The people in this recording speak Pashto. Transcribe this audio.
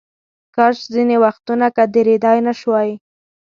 کاش ځینې وختونه که درېدای نشوای.